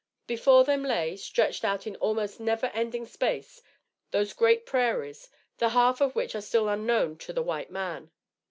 Before them lay, stretched out in almost never ending space, those great prairies, the half of which are still unknown to the white man.